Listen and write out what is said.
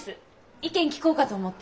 意見聞こうかと思って。